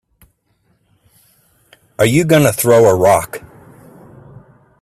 Are you gonna throw a rock?